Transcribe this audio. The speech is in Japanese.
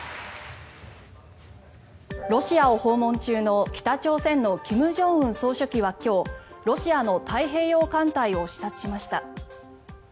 ロシアを訪問中の北朝鮮の金正恩総書記は今日ロシアの太平洋艦隊を視察しました。